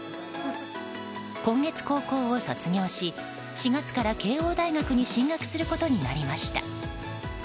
今月、高校を卒業し４月から慶應大学に進学することになりました。